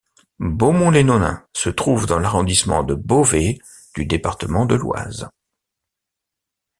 Beaumont-les-Nonains se trouve dans l'arrondissement de Beauvais du département de l'Oise.